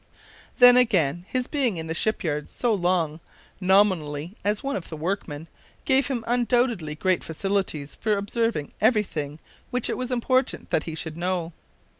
Then, again, his being in the ship yards so long, nominally as one of the workmen, gave him undoubtedly great facilities for observing every thing which it was important that he should know.